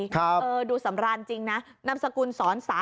ครับเออดูสำรานจริงนะนำสกุลศรษา